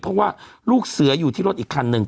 เพราะว่าลูกเสืออยู่ที่รถอีกคันหนึ่ง